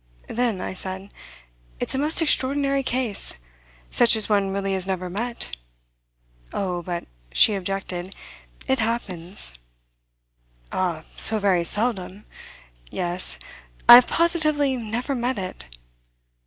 "Then," I said, "it's a most extraordinary case such as one really has never met." "Oh, but," she objected, "it happens." "Ah, so very seldom! Yes I've positively never met it.